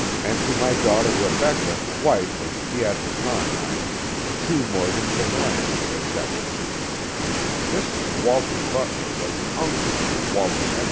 and to my daughter Rebecca, wife of Pietsr Conyn, two morgens of land, etc. This Walter Butler was an uncle of Walter N.